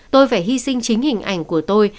tôi phải hy sinh chính hình ảnh của tôi